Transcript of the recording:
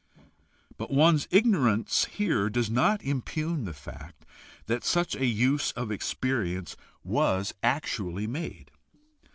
But one's ignorance here does not impugn the fact that such a use of experience was actually made.